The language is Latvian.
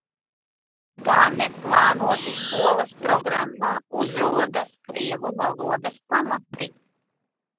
Tā neplānoti skolas programmā uzrodas krievu valodas pamati.